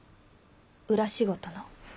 裏仕事の。